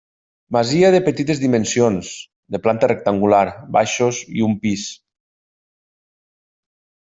Masia de petites dimensions, de planta rectangular, baixos i un pis.